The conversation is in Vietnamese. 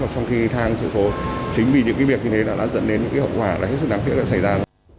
trong khi thang sự cố chính vì những việc như thế đã dẫn đến những hậu quả là hết sức đáng tiếc đã xảy ra